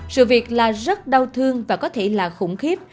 sự việc là rất đau thương và có thể là khủng khiếp